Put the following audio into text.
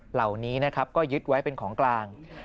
เหล่านี้ก็ยึดไว้เป็นของกลาง